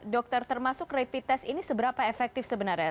dokter termasuk rapid test ini seberapa efektif sebenarnya